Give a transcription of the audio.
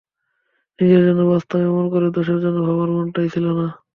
নিজের জন্য বাঁচতাম, এমন করে দশের জন্য ভাবার মনটাই ছিল না।